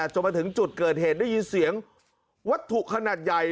จนมาถึงจุดเกิดเหตุได้ยินเสียงวัตถุขนาดใหญ่